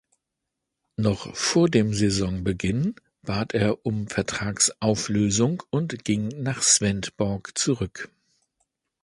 Noch vor dem Saisonbeginn bat er um Vertragsauflösung und ging nach Svendborg zurück.